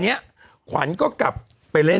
นี่แต่ไปดูว่าคุณเอกขวัญกลับช่องเจ็ด